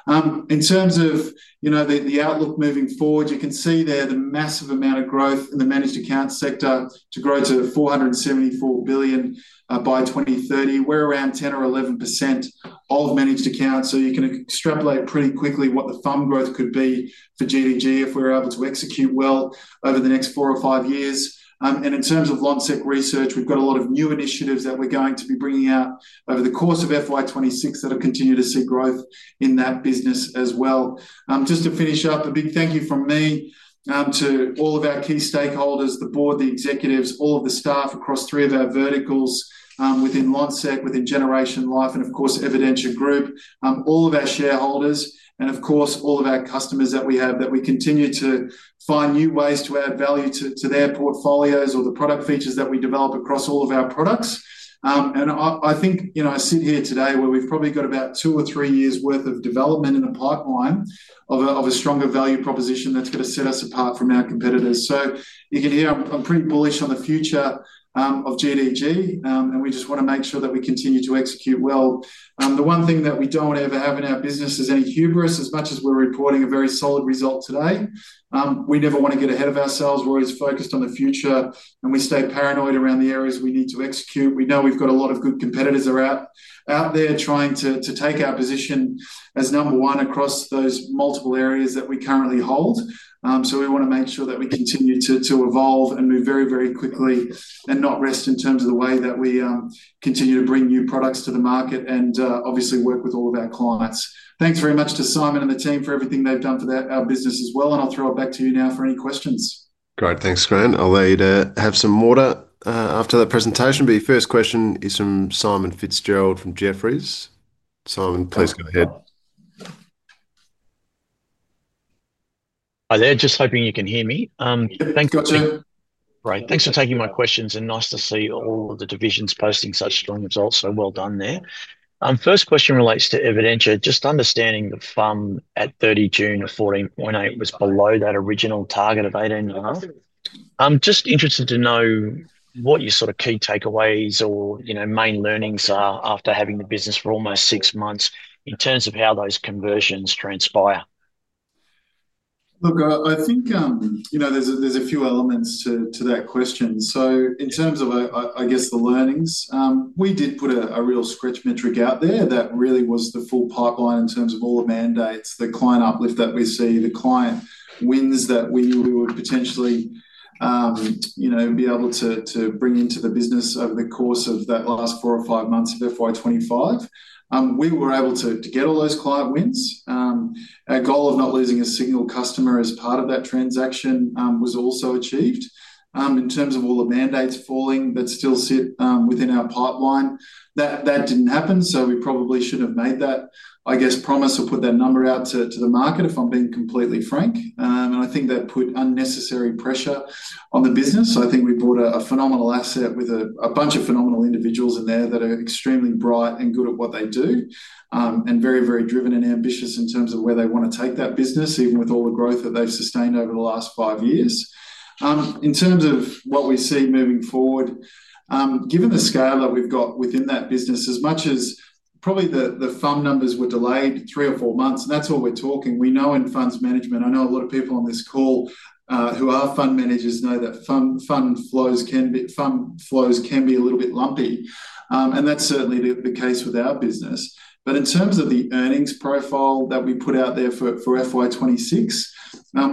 In terms of the outlook moving forward, you can see there the massive amount of growth in the managed account sector to grow to $474 billion by 2030. We're around 10% or 11% of managed accounts. You can extrapolate pretty quickly what the FOM growth could be for GDG if we're able to execute well over the next four or five years. In terms of Lonsec Research, we've got a lot of new initiatives that we're going to be bringing out over the course of FY 2026 that will continue to see growth in that business as well. Just to finish up, a big thank you from me to all of our key stakeholders, the board, the executives, all of the staff across three of our verticals within Lonsec, within Generation Life, and of course Evidentia Group, all of our shareholders, and of course all of our customers that we have that we continue to find new ways to add value to their portfolios or the product features that we develop across all of our products. I think, you know, I sit here today where we've probably got about two or three years' worth of development in the pipeline of a stronger value proposition that's going to set us apart from our competitors. You can hear I'm pretty bullish on the future of GDG, and we just want to make sure that we continue to execute well. The one thing that we don't ever have in our business is any hubris. As much as we're reporting a very solid result today, we never want to get ahead of ourselves. We're always focused on the future, and we stay paranoid around the areas we need to execute. We know we've got a lot of good competitors out there trying to take our position as number one across those multiple areas that we currently hold. We want to make sure that we continue to evolve and move very, very quickly and not rest in terms of the way that we continue to bring new products to the market and obviously work with all of our clients. Thanks very much to Simon and the team for everything they've done for our business as well. I'll throw it back to you now for any questions. Great, thanks Grant. I'll allow you to have some water after that presentation. Your first question is from Simon Fitzgerald from Jefferies. Simon, please go ahead. Hi there, just hoping you can hear me. Thank you. Great, thanks for taking my questions. Nice to see all of the divisions posting such strong results. Well done there. First question relates to Evidentia. Just understanding the FOM at 30 June of $14.8 million was below that original target of 8.5%. I'm just interested to know what your sort of key takeaways or main learnings are after having the business for almost six months in terms of how those conversions transpire. Look, I think there's a few elements to that question. In terms of the learnings, we did put a real scratch metric out there that really was the full pipeline in terms of all the mandates, the client uplift that we see, the client wins that we would potentially be able to bring into the business over the course of that last four or five months of FY 2025. We were able to get all those client wins. Our goal of not losing a single customer as part of that transaction was also achieved. In terms of all the mandates falling that still sit within our pipeline, that didn't happen. We probably should not have made that promise or put that number out to the market, if I'm being completely frank. I think that put unnecessary pressure on the business. I think we bought a phenomenal asset with a bunch of phenomenal individuals in there that are extremely bright and good at what they do and very, very driven and ambitious in terms of where they want to take that business, even with all the growth that they've sustained over the last five years. In terms of what we see moving forward, given the scale that we've got within that business, as much as probably the fund numbers were delayed three or four months, and that's what we're talking. We know in funds management, I know a lot of people on this call who are fund managers know that fund flows can be a little bit lumpy. That's certainly the case with our business. In terms of the earnings profile that we put out there for FY 2026,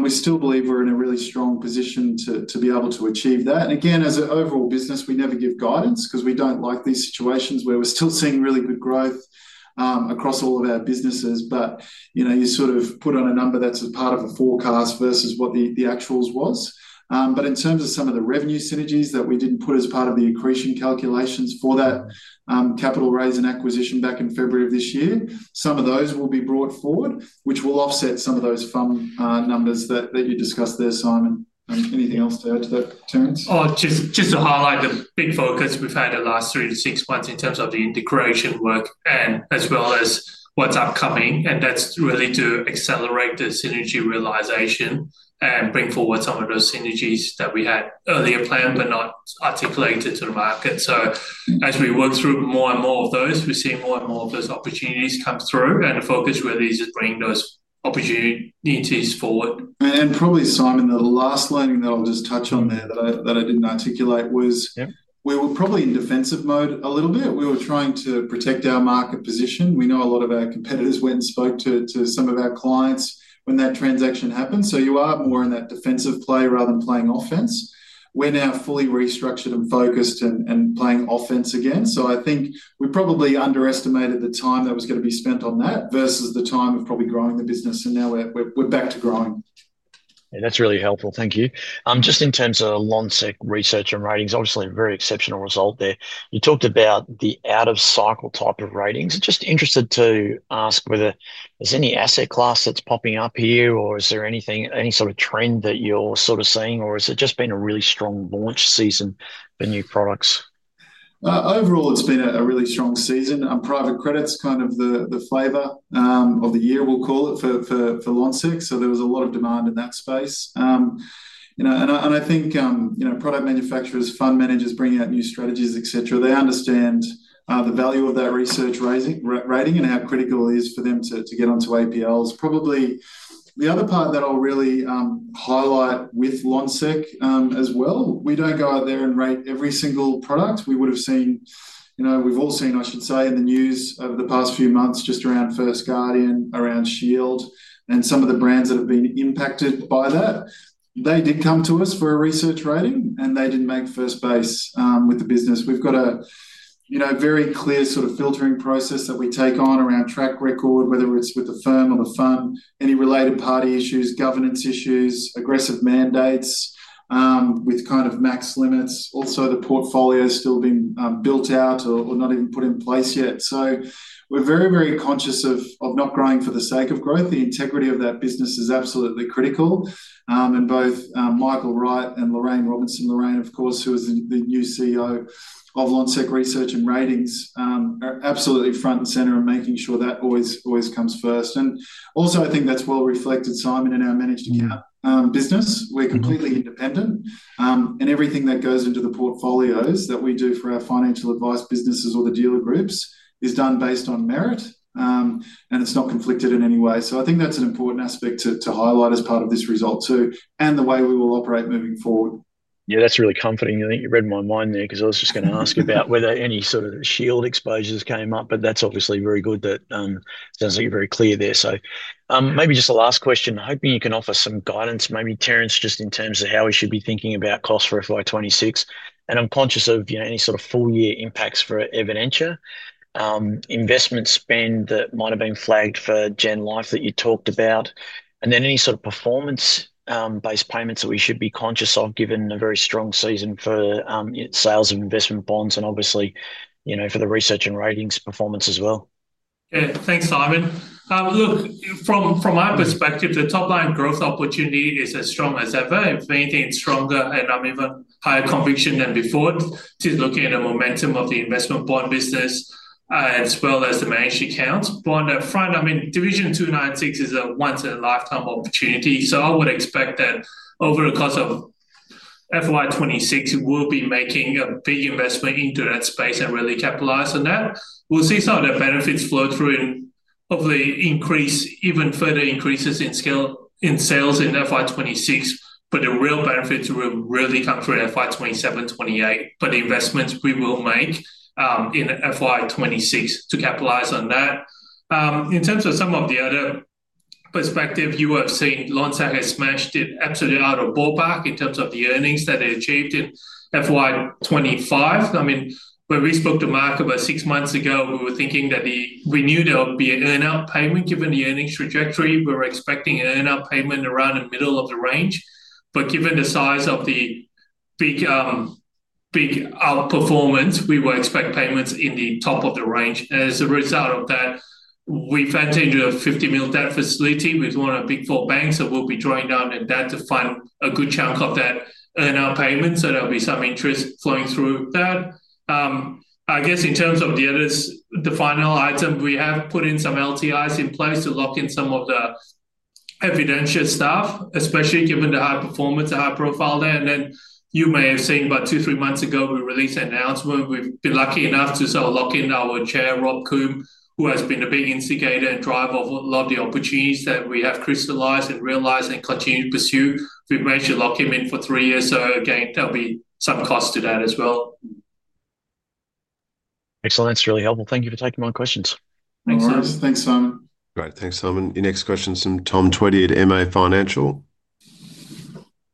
we still believe we're in a really strong position to be able to achieve that. As an overall business, we never give guidance because we don't like these situations where we're still seeing really good growth across all of our businesses. You sort of put on a number that's as part of the forecast versus what the actuals was. In terms of some of the revenue synergies that we didn't put as part of the accretion calculations for that capital raise and acquisition back in February of this year, some of those will be brought forward, which will offset some of those FOM numbers that you discussed there, Simon. Anything else to add to that, Terence? Just to highlight the big focus we've had the last three to six months in terms of the integration work, as well as what's upcoming. That's really to accelerate the synergy realization and bring forward some of those synergies that we had earlier planned but not articulated to the market. As we run through more and more of those, we're seeing more and more of those opportunities come through. The focus really is to bring those opportunities forward. Probably, Simon, the last learning that I'll just touch on there that I didn't articulate was we were probably in defensive mode a little bit. We were trying to protect our market position. We know a lot of our competitors went and spoke to some of our clients when that transaction happened. You are more in that defensive play rather than playing offense. We're now fully restructured and focused and playing offense again. I think we probably underestimated the time that was going to be spent on that versus the time of probably growing the business. Now we're back to growing. That's really helpful. Thank you. Just in terms of Lonsec Research and ratings, obviously a very exceptional result there. You talked about the out-of-cycle type of ratings. Just interested to ask whether there's any asset class that's popping up here or is there anything, any sort of trend that you're sort of seeing or has it just been a really strong launch season for new products? Overall, it's been a really strong season. Private credit's kind of the flavor of the year, we'll call it, for Lonsec. There was a lot of demand in that space. I think product manufacturers, fund managers bringing out new strategies, et cetera, understand the value of that research rating and how critical it is for them to get onto APLs. Probably the other part that I'll really highlight with Lonsec as well, we don't go out there and rate every single product. We've all seen in the news over the past few months, just around First Guardian, around Shield, and some of the brands that have been impacted by that. They didn't come to us for a research rating and they didn't make first base with the business. We've got a very clear sort of filtering process that we take on around track record, whether it's with the firm or the fund, any related party issues, governance issues, aggressive mandates with kind of max limits. Also, the portfolio has still been built out or not even put in place yet. We're very, very conscious of not growing for the sake of growth. The integrity of that business is absolutely critical. Both Michael Wright and Lorraine Robinson, Lorraine, of course, who is the new CEO of Lonsec Research and ratings, are absolutely front and center and making sure that always comes first. I think that's well reflected, Simon, in our managed account business. We're completely independent. Everything that goes into the portfolios that we do for our financial advice businesses or the dealer groups is done based on merit. It's not conflicted in any way. I think that's an important aspect to highlight as part of this result too, and the way we will operate moving forward. Yeah, that's really comforting. I think it read my mind there because I was just going to ask you about whether any sort of shield exposures came up, but that's obviously very good that it sounds like you're very clear there. Maybe just the last question, hoping you can offer some guidance, maybe Terence, just in terms of how we should be thinking about cost for FY 2026. I'm conscious of any sort of full-year impacts for Evidentia, investment spend that might have been flagged for Generation Life that you talked about, and then any sort of performance-based payments that we should be conscious of given a very strong season for sales of investment bonds and obviously, you know, for the research and ratings performance as well. Thanks, Simon. Look, from my perspective, the top line growth opportunity is as strong as ever. If anything, it's stronger and I'm even higher conviction than before. Just looking at the momentum of the investment bond business as well as the managed accounts. On the front, I mean, Division 296 is a once-in-a-lifetime opportunity. I would expect that over the course of FY 2026, we'll be making a big investment into that space and really capitalize on that. We'll see some of the benefits flow through and hopefully increase even further increases in scale in sales in FY 2026. The real benefits will really come through FY 2027, 2028. The investments we will make in FY 2026 to capitalize on that. In terms of some of the other perspective, you will see Lonsec has smashed it absolutely out of the ballpark in terms of the earnings that they achieved in FY 2025. When we spoke to Mark about six months ago, we were thinking that we knew there would be an earnout payment given the earnings trajectory. We were expecting an earnout payment around the middle of the range. Given the size of the big outperformance, we would expect payments in the top of the range. As a result of that, we arranged a $50 million debt facility with one of the Big Four banks that will be drawing down the debt to fund a good chunk of that earnout payment. There'll be some interest flowing through that. I guess in terms of the others, the final item, we have put in some LTIs in place to lock in some of the Evidentia staff, especially given the high performance, the high profile there. You may have seen about two, three months ago, we released an announcement. We've been lucky enough to sort of lock in our Chair, Rob Coombe, who has been a big instigator and driver of a lot of the opportunities that we have crystallized and realized and continue to pursue. We've managed to lock him in for three years. Again, there'll be some cost to that as well. Thanks, Grant. Really helpful. Thank you for taking my questions. Thanks, Simon. Thanks, Simon. Thanks, Simon. Your next question's from Tom Tweedie at MA Financial.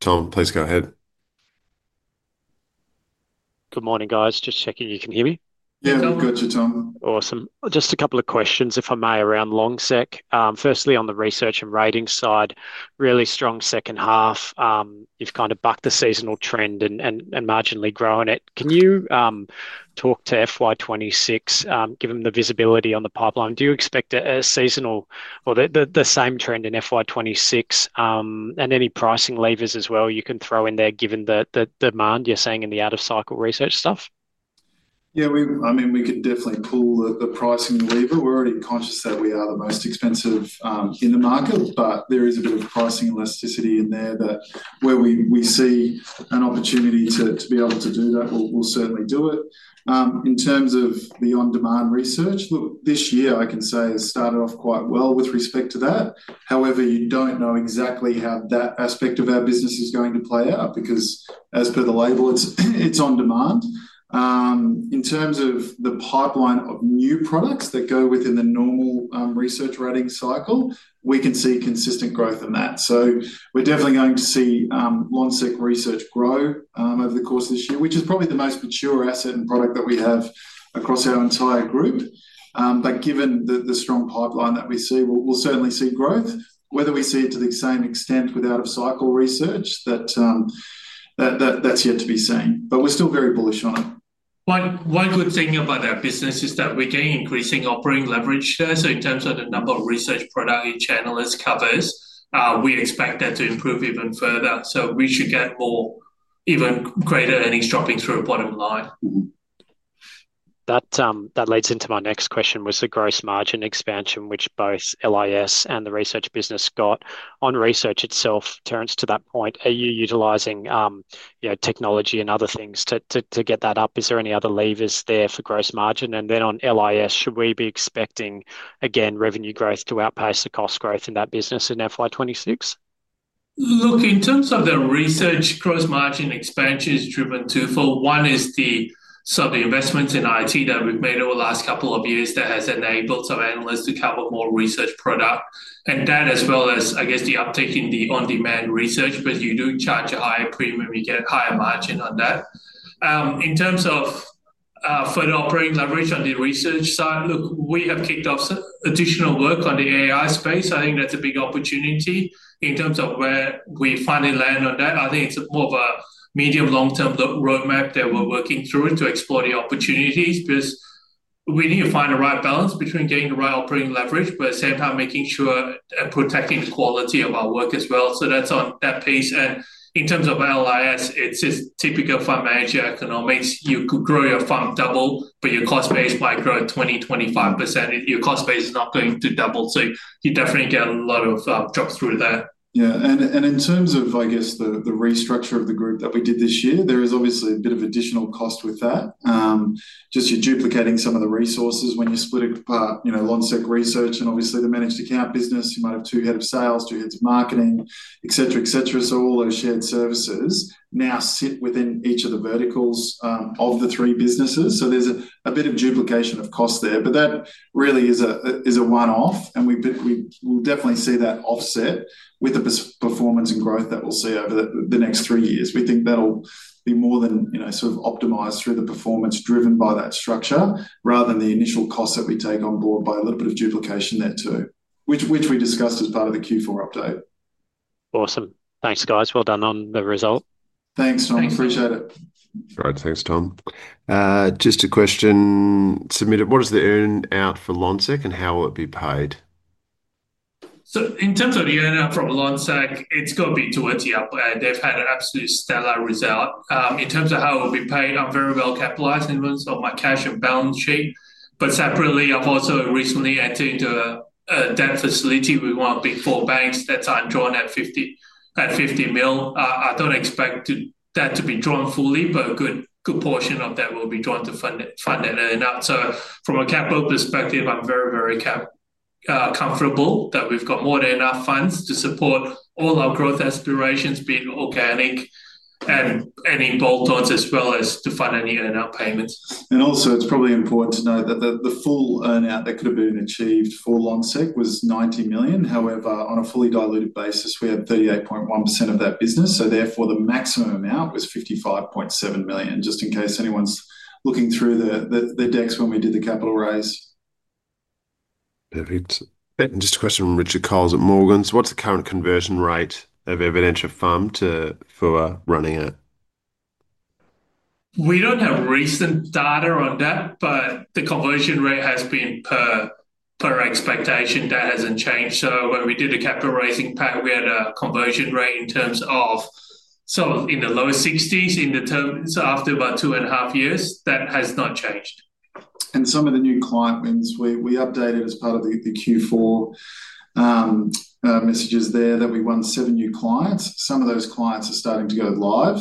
Tom, please go ahead. Good morning, guys. Just checking you can hear me. Yeah, good. You, Tom? Awesome. Just a couple of questions, if I may, around Lonsec. Firstly, on the research and rating side, really strong second half. You've kind of bucked the seasonal trend and marginally grown it. Can you talk to FY 2026, given the visibility on the pipeline? Do you expect a seasonal or the same trend in FY 2026, and any pricing levers as well you can throw in there, given the demand you're seeing in the out-of-cycle research stuff? Yeah, I mean, we could definitely pull the pricing lever. We're already conscious that we are the most expensive in the market, but there is a bit of pricing elasticity in there that where we see an opportunity to be able to do that, we'll certainly do it. In terms of the on-demand research, this year I can say it started off quite well with respect to that. However, you don't know exactly how that aspect of our business is going to play out because as per the label, it's on demand. In terms of the pipeline of new products that go within the normal research rating cycle, we can see consistent growth in that. We're definitely going to see Lonsec Research grow over the course of this year, which is probably the most mature asset and product that we have across our entire group. Given the strong pipeline that we see, we'll certainly see growth. Whether we see it to the same extent with out-of-cycle research, that's yet to be seen. We're still very bullish on it. One good thing about that business is that we're gaining increasing operating leverage there. In terms of the number of research product each analyst covers, we expect that to improve even further. We should get more even greater earnings dropping through bottom line. That leads into my next question, was the gross margin expansion, which both LIS and the research business got. On research itself, Terence, to that point, are you utilizing technology and other things to get that up? Is there any other levers there for gross margin? On LIS, should we be expecting again revenue growth to outpace the cost growth in that business in FY 2026? Look, in terms of the research, gross margin expansion is driven twofold. One is the sort of investment in IT that we've made over the last couple of years that has enabled some analysts to cover more research product. That as well as, I guess, the uptake in the on-demand research, because you do charge a higher premium, you get a higher margin on that. In terms of further operating leverage on the research side, we have kicked off additional work on the AI space. I think that's a big opportunity in terms of where we finally land on that. I think it's more of a medium-long-term roadmap that we're working through to explore the opportunities. We need to find the right balance between getting the right operating leverage, but at the same time making sure and protecting the quality of our work as well. That's on that piece. In terms of LIS, it's just typical fund manager economics. You could grow your fund double, but your cost base might grow 20-25%. Your cost base is not going to double, so you definitely get a lot of jobs through that. Yeah, and in terms of, I guess, the restructure of the group that we did this year, there is obviously a bit of additional cost with that. Just you're duplicating some of the resources when you split it apart, you know, Lonsec Research and obviously the managed accounts business. You might have two Head of Sales, two Heads of Marketing, et cetera, et cetera. All those shared services now sit within each of the verticals of the three businesses. There's a bit of duplication of cost there, but that really is a one-off. We will definitely see that offset with the performance and growth that we'll see over the next three years. We think that'll be more than, you know, sort of optimized through the performance driven by that structure rather than the initial costs that we take on board by a little bit of duplication there too, which we discussed as part of the Q4 update. Awesome. Thanks, guys. Well done on the result. Thanks, Tom. Appreciate it. All right, thanks, Tom. Just a question submitted. What is the earnout for Lonsec and how will it be paid? In terms of the earnout from Lonsec, it's going to be towards the upgrade. They've had an absolute stellar result. In terms of how it will be paid, I'm very well capitalized in terms of my cash and balance sheet. Separately, I've also recently added a debt facility with one of the Big Four banks that's undrawn at $50 million. I don't expect that to be drawn fully, but a good portion of that will be drawn to fund that earnout. From a capital perspective, I'm very, very comfortable that we've got more than enough funds to support all our growth aspirations, being organic and any bolt-ons, as well as to fund any earnout payments. It's probably important to note that the full earnout that could have been achieved for Lonsec was $90 million. However, on a fully diluted basis, we had 38.1% of that business. Therefore, the maximum amount was $55.7 million, just in case anyone's looking through the decks when we did the capital raise. Perfect. Just a question from Richard Coles at Morgan's. What's the current conversion rate of Evidentia FOM for running it? We don't have recent data on that, but the conversion rate has been per expectation. That hasn't changed. When we did the capital raising pack, we had a conversion rate in terms of sort of in the lower 60% in the terms. After about two and a half years, that has not changed. Some of the new client wins, we updated as part of the Q4 messages there that we won seven new clients. Some of those clients are starting to go live.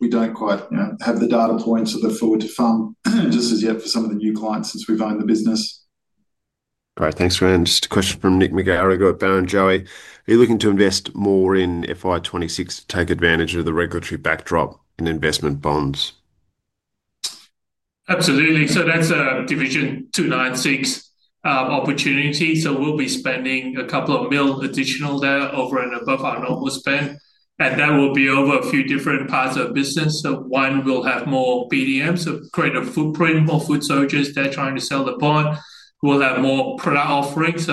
We don't quite have the data points to look forward to FOM just as yet for some of the new clients since we've owned the business. All right, thanks, Grant. Just a question from Nick McGarrigle at Barrenjoey. Are you looking to invest more in FY 2026 to take advantage of the regulatory backdrop in investment bonds? Absolutely. That's a Division 296 opportunity. We'll be spending a couple of million additional there over and above our normal spend, and that will be over a few different parts of the business. One will have more BDMs, so greater footprint, more foot soldiers there trying to sell the bond. We'll have more product offerings.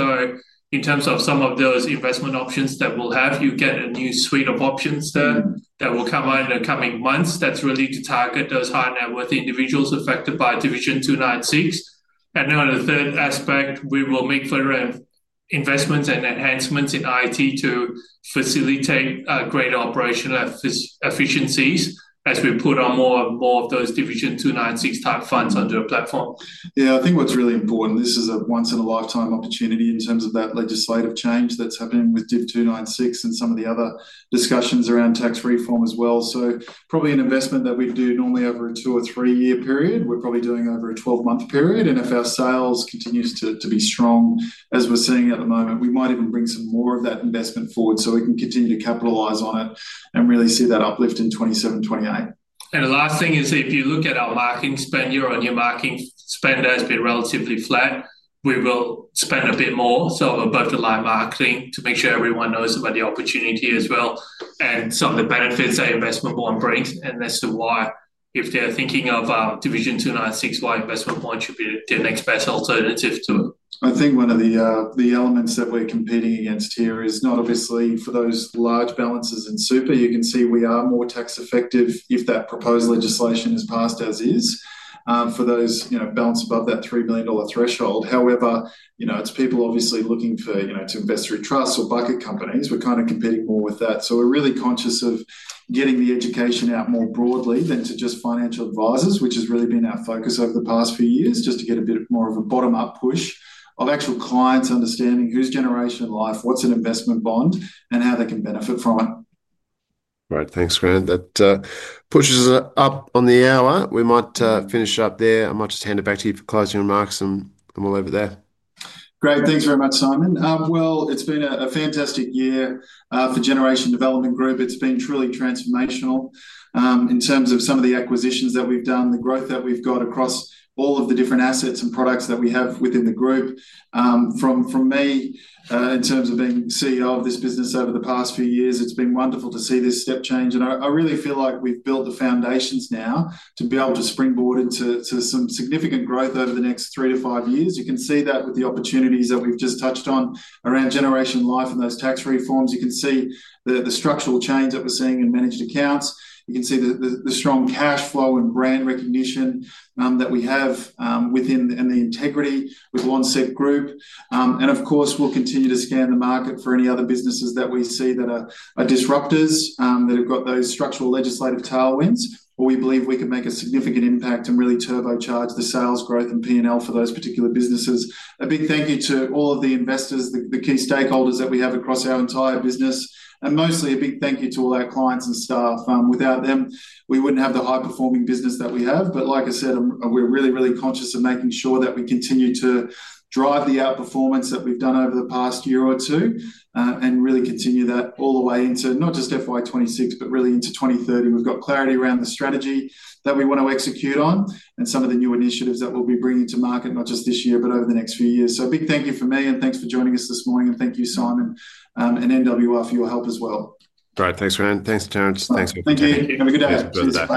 In terms of some of those investment options that we'll have, you get a new suite of options that will come out in the coming months. That's really to target those high net worth individuals affected by Division 296. On the third aspect, we will make further investments and enhancements in IT to facilitate greater operational efficiencies as we put on more and more of those Division 296 type funds onto a platform. I think what's really important, this is a once-in-a-lifetime opportunity in terms of that legislative change that's happening with Division 296 and some of the other discussions around tax reform as well. Probably an investment that we'd do normally over a two or three-year period, we're probably doing over a 12-month period. If our sales continue to be strong, as we're seeing at the moment, we might even bring some more of that investment forward so we can continue to capitalize on it and really see that uplift in 2027, 2028. The last thing is if you look at our marketing spend, year-on-year marketing spend has been relatively flat. We will spend a bit more on both the line marketing to make sure everyone knows about the opportunity as well and some of the benefits that investment bond brings. That's the why if they're thinking of our Division 296 wide investment bond should be their next best alternative too. I think one of the elements that we're competing against here is not obviously for those large balances in super. You can see we are more tax effective if that proposal legislation is passed as is for those, you know, balance above that $3 million threshold. However, it's people obviously looking for, you know, to invest through trusts or bucket companies. We're kind of competing more with that. We're really conscious of getting the education out more broadly than to just financial advisors, which has really been our focus over the past few years, just to get a bit more of a bottom-up push of actual clients understanding who's Generation Life, what's an investment bond, and how they can benefit from it. Right, thanks, Grant. That pushes us up on the hour. We might finish up there. I might just hand it back to you for closing remarks, and we'll leave it there. Great, thanks very much, Simon. It's been a fantastic year for Generation Development Group. It's been truly transformational in terms of some of the acquisitions that we've done, the growth that we've got across all of the different assets and products that we have within the group. From me, in terms of being CEO of this business over the past few years, it's been wonderful to see this step change. I really feel like we've built the foundations now to be able to springboard into some significant growth over the next three to five years. You can see that with the opportunities that we've just touched on around Generation Life and those tax reforms. You can see the structural change that we're seeing in managed accounts. You can see the strong cash flow and brand recognition that we have within and the integrity with Lonsec Group. Of course, we'll continue to scan the market for any other businesses that we see that are disruptors that have got those structural legislative tailwinds, or we believe we could make a significant impact and really turbocharge the sales growth and P&L for those particular businesses. A big thank you to all of the investors, the key stakeholders that we have across our entire business, and mostly a big thank you to all our clients and staff. Without them, we wouldn't have the high-performing business that we have. Like I said, we're really, really conscious of making sure that we continue to drive the outperformance that we've done over the past year or two and really continue that all the way into, not just FY 2026, but really into 2030. We've got clarity around the strategy that we want to execute on and some of the new initiatives that we'll be bringing to market, not just this year, but over the next few years. A big thank you from me, and thanks for joining us this morning. Thank you, Simon, and NWI for your help as well. Great, thanks, Grant. Thanks, Terence. Thanks, everybody. Thank you. Have a good day. Thanks, bye-bye.